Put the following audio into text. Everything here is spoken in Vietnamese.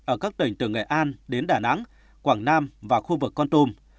ở các tỉnh từ nghệ an đến đà nẵng quảng nam và khu vực con tùm